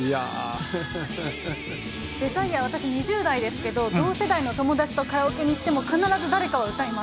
デザイヤは私、２０代ですけど、同世代の友達とカラオケに行っても、必ず誰かは歌います。